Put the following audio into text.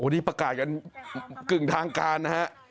โอดี้ประกาศกันกึ่งทางการครับ